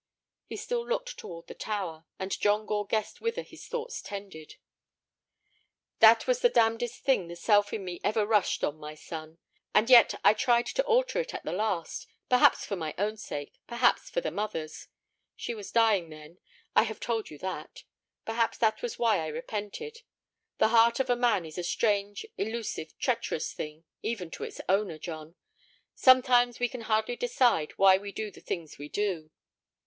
He still looked toward the tower, and John Gore guessed whither his thoughts tended. "That was the damnedest thing the self in me ever rushed on, my son. And yet I tried to alter it at the last—perhaps for my own sake, perhaps for the mother's. She was dying then—I have told you that; perhaps that was why I repented. The heart of a man is a strange, elusive, treacherous thing, even to its owner, John. Sometimes we can hardly decide why we do the things we do."